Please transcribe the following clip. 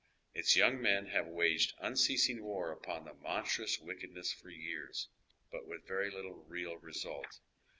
Its young men have waged unceasing war upon the monstrous wickedness for years, but with very little real result.